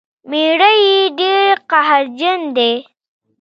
میړه یې ډیر قهرجن شو.